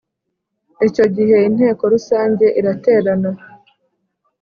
Icyo gihe Inteko Rusange iraterana